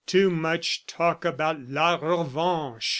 Too much talk about la revanche!